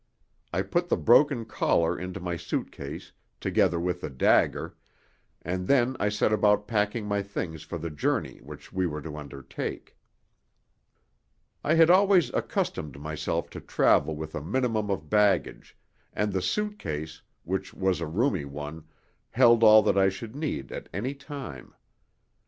I put the broken collar into my suitcase, together with the dagger, and then I set about packing my things for the journey which we were to undertake. I had always accustomed myself to travel with a minimum of baggage, and the suit case, which was a roomy one, held all that I should need at any time.